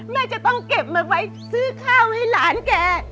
แม่จะต้องเก็บมาไว้ซื้อข้าวให้หลานแก